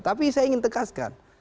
tapi saya ingin tekaskan